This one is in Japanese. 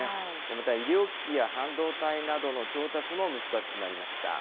また医療機器や半導体などの調達も難しくなりました。